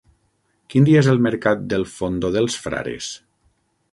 Quin dia és el mercat del Fondó dels Frares?